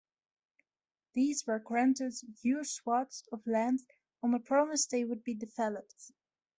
These were granted huge swaths of land on the promise they would be developed.